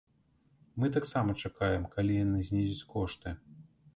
Мы таксама чакаем, калі яны знізяць кошты.